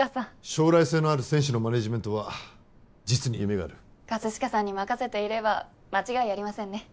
将来性のある選手のマネージメントは実に夢がある葛飾さんに任せていれば間違いありませんね